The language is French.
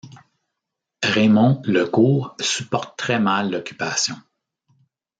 Raimond Lecourt supporte très mal l’Occupation.